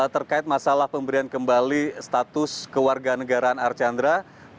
terkait masalah pemberian kembali status kewarga negara archandra